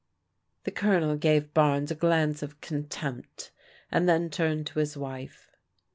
The Colonel gave Barnes a glance of contempt, and then turned to his wife.